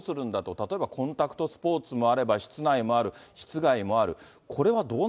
例えばコンタクトスポーツもあれば、室内もある、室外もある。